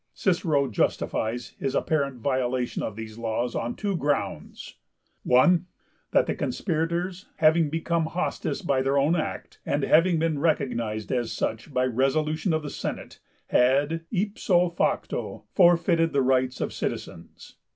Cicero justifies his apparent violation of these laws on two grounds (1) That the conspirators, having become hostes by their own act, and having been recognised as such by resolution of the Senate, had ipso facto forfeited the rights of citizens (1.